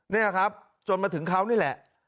นี่แหละครับจนมาถึงเขานี่แหละ